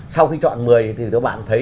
sau khi chọn một mươi thì các bạn thấy